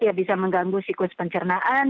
ya bisa mengganggu siklus pencernaan